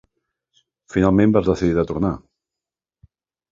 Finalment vas decidir de tornar.